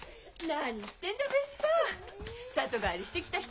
何言ってんだべした。